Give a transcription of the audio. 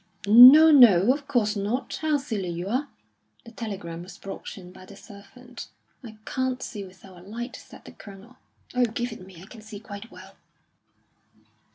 "No, no! Of course not! How silly you are!" The telegram was brought in by the servant. "I can't see without a light," said the Colonel. "Oh, give it me; I can see quite well."